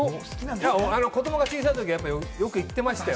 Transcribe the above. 子どもが小さいときはよく行ってましたよ。